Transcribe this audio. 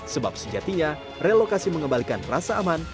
sebab sejatinya relokasi mengembalikan rasa aman